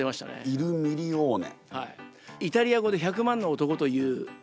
「イル・ミリオーネ！！」。